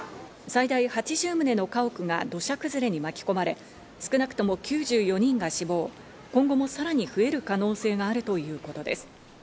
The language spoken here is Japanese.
最大８０棟の家屋が土砂崩れに巻き込まれ、少なくとも９４人が死亡、今後もさらに増える可能性があるということです。